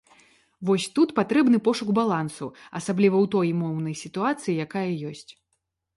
Вось тут патрэбны пошук балансу, асабліва ў той моўнай сітуацыі, якая ёсць.